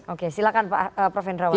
oke silakan prof indrawat